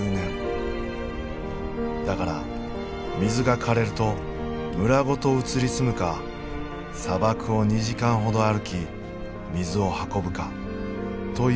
だから水がかれると村ごと移り住むか砂漠を２時間ほど歩き水を運ぶかということになる。